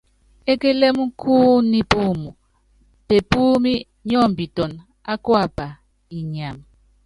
Ékélém kú nipúum, pepúúmi nyɔ́mbiton á kuapa inyam.